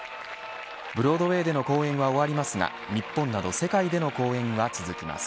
ブロードウェーでの公演は終わりますが日本など世界での公演は続きます。